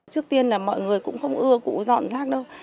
trước tiên là mọi người cũng không ưa cụ dọn rác đâu